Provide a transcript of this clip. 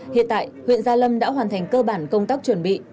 hiện tại huyện gia lâm đã hoàn thành cơ bản công tác chuẩn bị